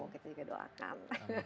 kita juga doakan